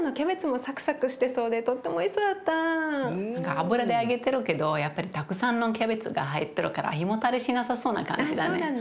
油で揚げてるけどやっぱりたくさんのキャベツが入ってるから胃もたれしなさそうな感じだね。